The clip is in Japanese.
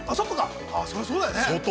◆そらそうだよね。